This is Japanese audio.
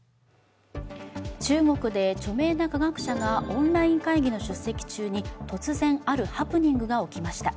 中国で著名な科学者がオンライン会議の出席中に突然、あるハプニングが起きました